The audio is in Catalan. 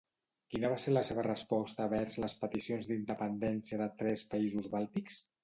Quina va ser la seva resposta vers les peticions d'independència de tres països bàltics?